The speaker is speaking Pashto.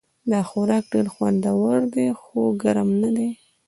دا خوراک ډېر خوندور ده خو ګرم نه ده